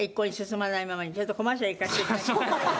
ちょっとコマーシャルいかせていただきます。